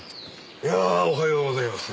いやあおはようございます。